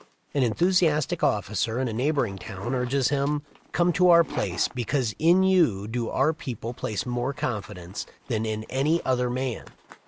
An enthusiastic officer in a neighboring town urges him: "Come to our place, because in you do our people place more confidence than in any other man.